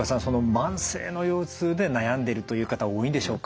慢性の腰痛で悩んでるという方多いんでしょうか？